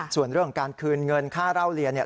ส่วนเรื่องของการคืนเงินค่าเล่าเรียนเนี่ย